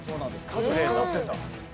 カズレーザーさんです。